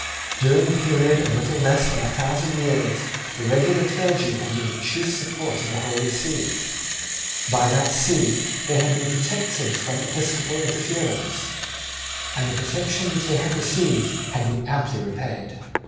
During a period of little less than a thousand years the regular clergy had been the chief support of the Holy See. By that See they had been protected from episcopal interference; and the protection which they had received had been amply repaid.